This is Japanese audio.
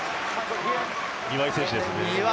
庭井選手ですね。